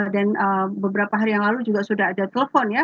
dan beberapa hari yang lalu juga sudah ada telepon ya